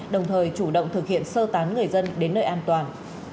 đồng thời chủ động thực hiện sơ tán người dân đến nơi an toàn